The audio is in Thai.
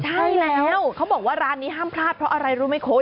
ใช่แล้วเขาบอกว่าร้านนี้ห้ามพลาดเพราะอะไรรู้ไหมคุณ